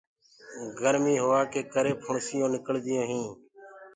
گرمي هوآ ڪي ڪري ڦوڙآ نِڪݪدآ هينٚ۔